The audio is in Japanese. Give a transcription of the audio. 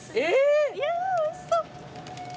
いやおいしそう。